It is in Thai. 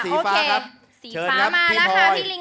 สีฟ้ามาแล้วค่ะพี่ลิงค์ค่ะ